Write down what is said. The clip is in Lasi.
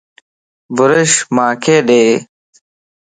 بروش مانک ڏي